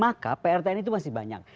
maka prtn itu masih banyak